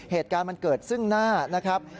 เหตุการณ์มันเกิดซึ่งหน้านะครับ